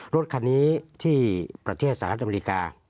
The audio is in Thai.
รถคันนี้ที่ประเทศสหรัฐอเมริกา